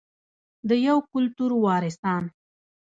د یو کلتور وارثان.